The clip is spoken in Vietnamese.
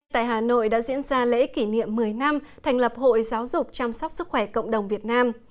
tại hà nội đã diễn ra lễ kỷ niệm một mươi năm thành lập hội giáo dục chăm sóc sức khỏe cộng đồng việt nam